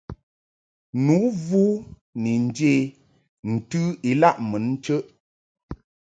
Nu vu ni nje ntɨ ilaʼ mun chəʼ.